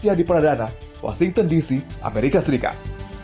ketika diperadana washington dc amerika serikat